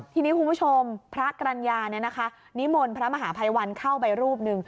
ทีนี้คุณผู้ชมพระกรรยาเนี่ยนะคะนิมนต์พระมหาภัยวันเข้าไปรูปนึง